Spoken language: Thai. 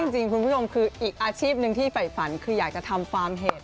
ไม่จริงคุณผู้ชมคืออีกอาชีพนึงที่ไฝ่ฝันคืออยากจะทำความเห็ด